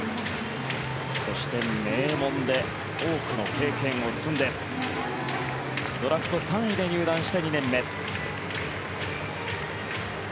そして名門で多くの経験を積んでドラフト３位で入団して２年目。